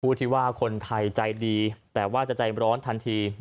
ที่ว่าคนไทยใจดีแต่ว่าจะใจร้อนทันที